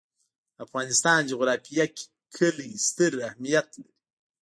د افغانستان جغرافیه کې کلي ستر اهمیت لري.